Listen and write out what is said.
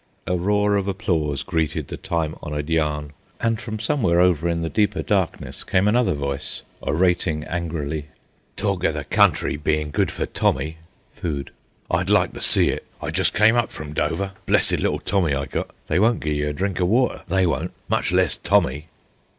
A roar of applause greeted the time honoured yarn, and from somewhere over in the deeper darkness came another voice, orating angrily: "Talk o' the country bein' good for tommy [food]; I'd like to see it. I jest came up from Dover, an' blessed little tommy I got. They won't gi' ye a drink o' water, they won't, much less tommy."